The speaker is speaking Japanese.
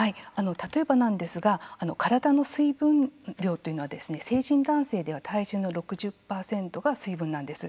例えばなんですが体の水分量というのはですね成人男性では体重の６０％が水分なんです。